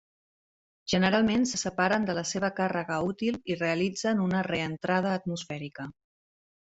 Generalment se separen de la seva càrrega útil i realitzen una reentrada atmosfèrica.